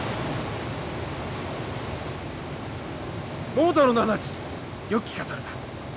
桃太郎の話よく聞かされた。